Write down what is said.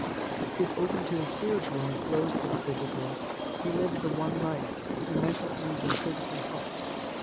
If open to the spiritual and closed to the physical, he lives the One Life, in mental ease and physical health.